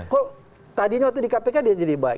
kok tadinya waktu di kpk dia jadi baik